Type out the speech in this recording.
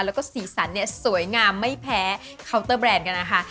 แล้วก็สีสันเนี่ยสวยงามไม่แพ้เคาน์เตอร์แบรนด์กันนะคะ